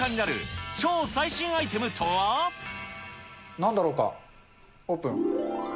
なんだろうか、オープン。